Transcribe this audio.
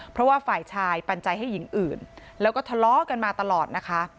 เพราะว่าฝ่ายชายปันใจให้หญิงอื่นแล้วก็ทะเลาะกันมาตลอดนะคะ